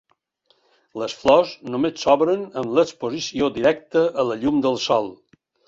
Les flors només s'obren amb l'exposició directa a la llum del sol.